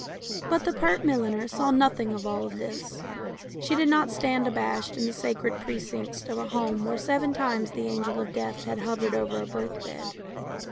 But the pert milliner saw nothing of all this; she did not stand abashed in the sacred precincts of a home where seven times the Angel of Death had hovered over a birth bed.